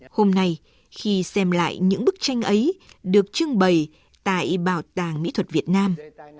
hôm nay khi xem lại những bức tranh ấy được trưng bày tại bảo tàng mỹ thuật việt nam